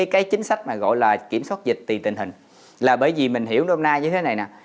cái chính sách mà gọi là kiểm soát dịch tùy tình hình là bởi vì mình hiểu hôm nay như thế này nè